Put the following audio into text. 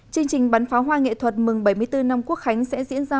chương trình bắn pháo hoa nghệ thuật mừng bảy mươi bốn năm quốc khánh sẽ diễn ra